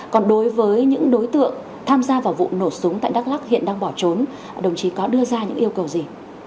còn đối với những đối tượng tham gia vào vụ nổ súng tại đắk lắc hiện đang bỏ trốn đồng chí có đưa ra những yêu cầu gì